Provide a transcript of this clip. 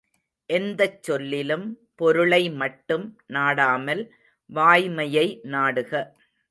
எந்தச் சொல்லிலும் பொருளை மட்டும் நாடாமல் வாய்மையை நாடுக.